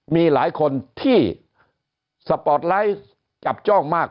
มีหลายคนที่สปอร์ตไลท์จับจ้องมาก